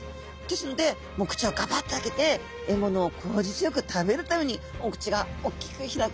ですのでもう口をがばっと開けて獲物を効率よく食べるためにお口がおっきく開くんですね。